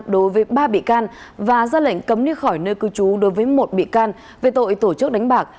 đối với ba bị can và ra lệnh cấm đi khỏi nơi cư trú đối với một bị can về tội tổ chức đánh bạc